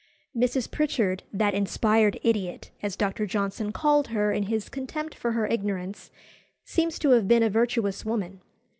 Mrs. Pritchard, that "inspired idiot," as Dr. Johnson called her in his contempt for her ignorance, seems to have been a virtuous woman.